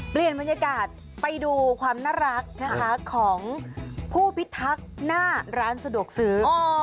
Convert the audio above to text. เปลี่ยนบรรยากาศไปดูความน่ารักนะคะของผู้พิทักษ์หน้าร้านสะดวกซื้อ